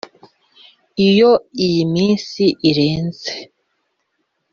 Iyo iyi minsi irenze